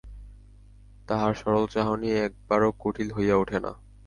তাহার সরল চাহনি একবারও কুটিল হইয়া ওঠে না।